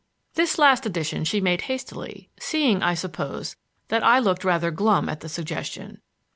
This last addition she made hastily, seeing, I suppose, that I looked rather glum at the suggestion.